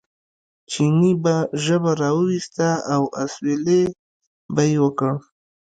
چیني به ژبه را وویسته او اسوېلی به یې وکړ.